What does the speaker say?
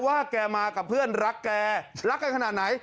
แกมากับเพื่อนรักแกรักกันขนาดไหน